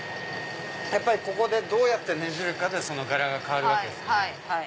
ここでどうやってねじるかでその柄が変わるわけです。